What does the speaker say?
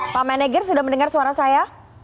pak meneger sudah mendengar suara saya